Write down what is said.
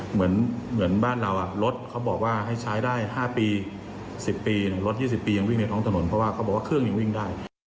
เหมือนบ้านเรารถเขาบอกว่าให้ใช้ได้๕ปี๑๐ปี